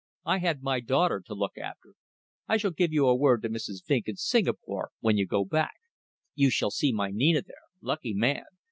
I had my daughter to look after. I shall give you a word to Mrs. Vinck in Singapore when you go back. You shall see my Nina there. Lucky man.